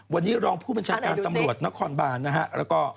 วันนี้รองผู้บัญชาการตำรวจนครบานนะฮะแล้วก็